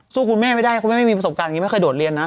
คุณแม่ไม่ได้คุณแม่ไม่มีประสบการณ์อย่างนี้ไม่เคยโดดเรียนนะ